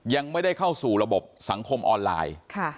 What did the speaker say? ยังไม่ได้เข้าสู่ระบบสังคมออนไลน์